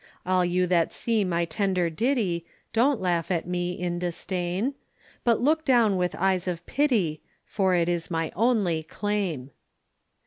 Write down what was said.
All you that see my tender ditty, Don't laugh at me in disdain, But look down with eyes of pity, For it is my only claim.